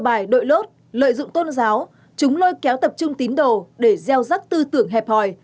bài đội lốt lợi dụng tôn giáo chúng lôi kéo tập trung tín đồ để gieo rắc tư tưởng hẹp hòi